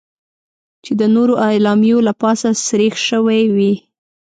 چې د نورو اعلامیو له پاسه سریښ شوې وې.